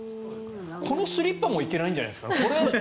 このスリッパもいけないんじゃないですか？